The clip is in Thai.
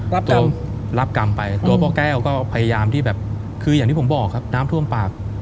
รับกรรมไปตัวพ่อแก้วก็พยายามที่แบบคืออย่างที่ผมบอกครับน้ำท่วมปาก